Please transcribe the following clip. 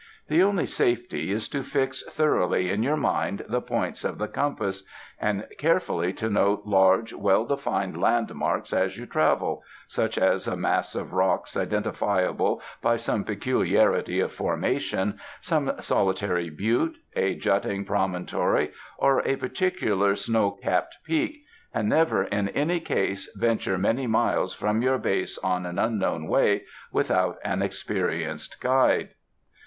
The only safety is to fix thoroughly in your mind the points of the compass, and carefully to note large, well defined landmarks as you travel — such as a mass of rocks identifiable by some peculiarity of formation, some solitary butte, a jutting promon tory or a particular snow capped peak; and never in any case venture many miles from your base on 8 THE DESERTS an unknown way without an experienced guide.